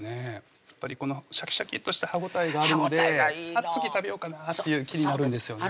やっぱりこのシャキシャキッとした歯応えがあるので次食べようかなっていう気になるんですよね